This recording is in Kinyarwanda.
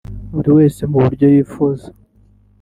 buri wese mu buryo yifuza